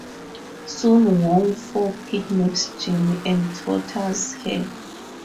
Soon Wong Foo kidnaps Jenny and tortures her.